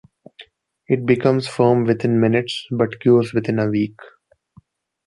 It becomes firm within minutes but cures within a week.